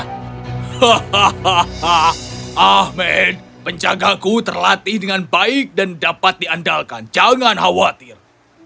hahaha ahmed penjagaku terlatih dengan baik dan dapat diandalkan jangan khawatir